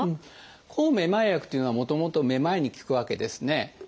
抗めまい薬というのはもともとめまいに効くわけですね。